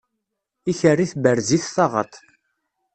Ikerri tberrez-it taɣaṭ.